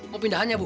mau pindahin ya bu